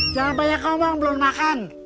jangan banyak ngomong belum makan